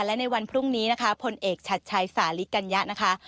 และในวันพรุ่งนี้นะคะพลเอกชัดชัยสาลิกัญญะนะคะ